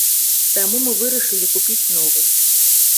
Таму мы вырашылі купіць новы.